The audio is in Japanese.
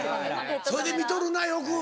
それで見とるなよく。